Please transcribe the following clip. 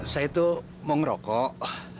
saya itu mau ngerokok